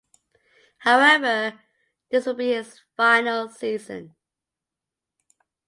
However this would be his final season.